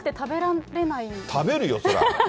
食べるよ、そりゃ。